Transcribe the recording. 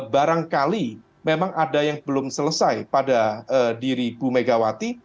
barangkali memang ada yang belum selesai pada diri ibu megawati